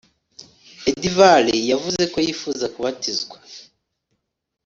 edvard yavuze ko yifuzaga kubatizwa